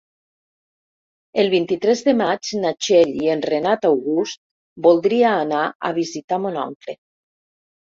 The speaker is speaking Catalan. El vint-i-tres de maig na Txell i en Renat August voldria anar a visitar mon oncle.